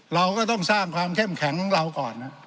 เราก็ต้องสร้างความเข้มแข็งของเราก่อน